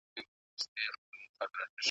چي پر پامیر مي خپل بیرغ بیا رپېدلی نه دی .